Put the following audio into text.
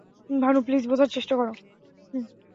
Bhanu, please বোঝার চেষ্টা করো।